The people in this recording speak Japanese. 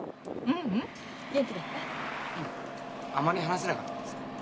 うんあまり話せなかったけどさ。